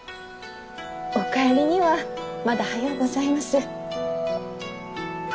お帰りにはまだ早うございます。